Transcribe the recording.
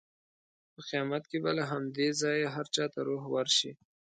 په قیامت کې به له همدې ځایه هر چا ته روح ورشي.